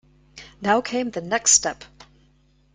Now came the next step.